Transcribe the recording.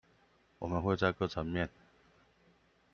我們會在各層面